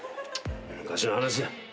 昔の話だ。